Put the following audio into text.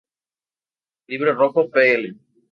Libro Rojo Pl.